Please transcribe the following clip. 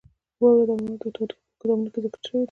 واوره د افغان تاریخ په کتابونو کې ذکر شوی دي.